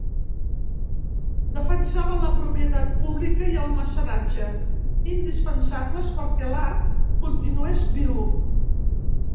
Defensaven la propietat pública i el mecenatge, indispensables perquè l'art continués viu.